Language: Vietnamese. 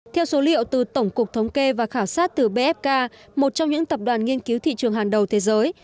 theo số liệu từ tổng cục thống kê và khảo sát từ bfk một trong những tập đoàn nghiên cứu thị trường hàng đầu thế giới